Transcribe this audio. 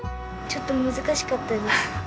ちょっと難しかったです。